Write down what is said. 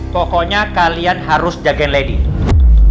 pokoknya kalian harus jagain lady